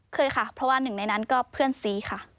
เคยค่ะเพราะว่าหนึ่งในนั้นก็เพื่อนซีค่ะ